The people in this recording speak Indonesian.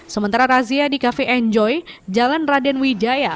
sementara razia di kafe enjoy jalan raden widjaya